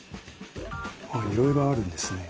あっいろいろあるんですね。